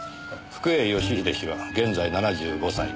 福栄義英氏は現在７５歳。